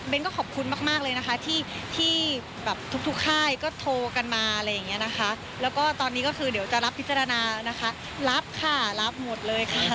ก็ขอบคุณมากเลยนะคะที่แบบทุกค่ายก็โทรกันมาอะไรอย่างนี้นะคะแล้วก็ตอนนี้ก็คือเดี๋ยวจะรับพิจารณานะคะรับค่ะรับหมดเลยค่ะ